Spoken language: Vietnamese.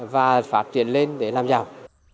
và phát triển lên để làm nhau